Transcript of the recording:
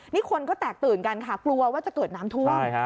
นี่คนก็แตกตื่นกันค่ะกลัวว่าจะเกิดน้ำท่วม